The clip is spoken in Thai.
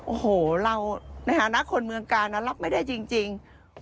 โอ้โหเราในฐานะคนเมืองกาลรับไม่ได้จริง